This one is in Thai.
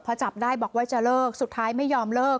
พอจับได้บอกว่าจะเลิกสุดท้ายไม่ยอมเลิก